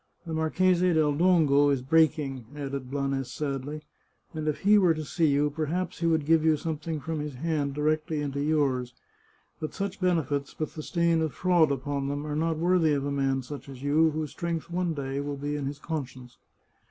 The Marchese del Dongo is breaking," added Blanes sadly, " and if he were to see you, perhaps he would give you something from his hand directly into yours. But such benefits, with the stain of fraud upon them, are not worthy of a man such as you, whose strength one day will be in his conscience.